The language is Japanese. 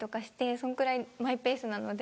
そのくらいマイペースなので。